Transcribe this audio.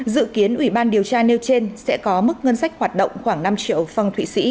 dự kiến ủy ban điều tra nêu trên sẽ có mức ngân sách hoạt động khoảng năm triệu phong thụy sĩ